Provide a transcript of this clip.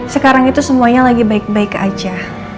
sekarang itu semuanya lagi baik baik aja